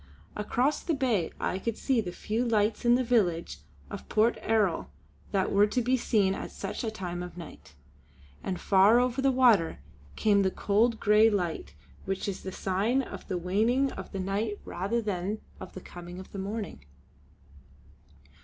Across the Bay I could see the few lights in the village of Port Erroll that were to be seen at such a time of night; and far over the water came the cold grey light which is the sign of the waning of the night rather than of the coming of the morning.